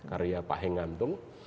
karya pak hengantung